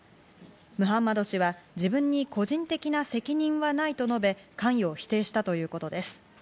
ムハンマド氏は、自分に個人的な責任はないと述べ関与を否定したということです。